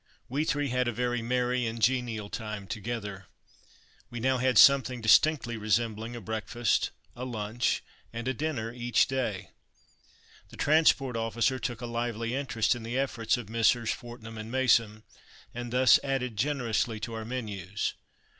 We three had a very merry and genial time together. We now had something distinctly resembling a breakfast, a lunch, and a dinner, each day. The transport officer took a lively interest in the efforts of Messrs. Fortnum and Mason, and thus added generously to our menus.